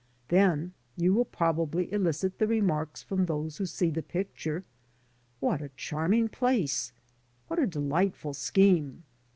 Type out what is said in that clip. Then you will probably elicit the remarks from those who see the picture, What a charming placet" *'What a delightful scheme